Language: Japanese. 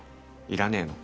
要らねえの？